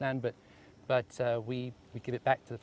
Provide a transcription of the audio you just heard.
tapi kami memberikannya ke pembangunan